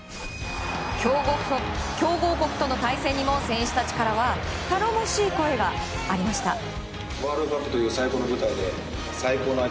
強豪国との対戦にも選手たちからは頼もしい声がありました。